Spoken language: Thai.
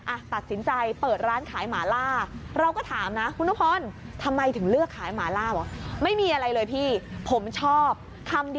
อ่ะตัดสินใจเปิดร้านขายหมาล่า